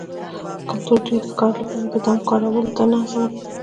کلتور دوی د ښکار لپاره دام کارولو ته نه هڅول